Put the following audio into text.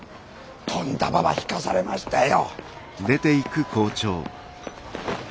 とんだババ引かされましたよ。